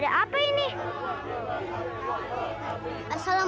tentang populasi dan masyarakat